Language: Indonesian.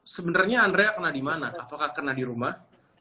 sebenarnya andrea kena di mana apakah kena di rumah